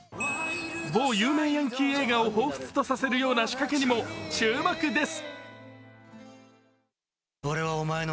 某有名ヤンキー映画をほうふつとさせる仕掛けにも注目です。